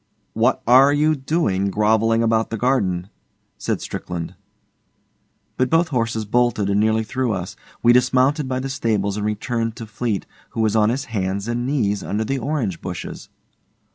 'What are you doing, grovelling about the garden?' said Strickland. But both horses bolted and nearly threw us. We dismounted by the stables and returned to Fleete, who was on his hands and knees under the orange bushes.